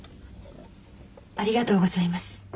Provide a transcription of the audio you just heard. ありがとうございます。